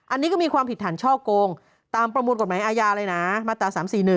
อันนี้ก็มีความผิดฐานช่อโกงตามประมวลกฎหมายอาญาเลยนะมาตรา๓๔๑